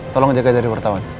tolong jaga dari wartawan